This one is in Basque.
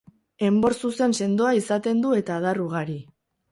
Enbor zuzen sendoa izaten du eta adar ugari.